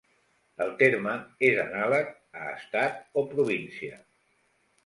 El terme és anàleg a "estat" o "província".